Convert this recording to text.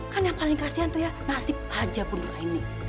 kan yang paling kasihan tuh ya nasib aja punur aini